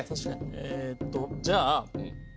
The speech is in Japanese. えっとじゃあ。